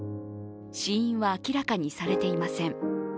死因は明らかにされていません。